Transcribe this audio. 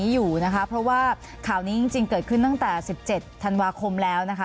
อยู่นะคะเพราะว่าข่าวนี้จริงเกิดขึ้นตั้งแต่๑๗ธันวาคมแล้วนะคะ